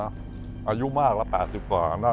อายุมากละ๘๐กว่า